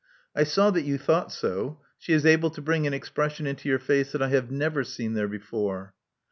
I saw that you thought so. She is able to bring an expression into your face that I have never seen there before."